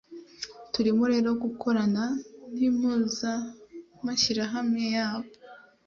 turimo rero gukorana n’impuzamashyirahamwe yabo,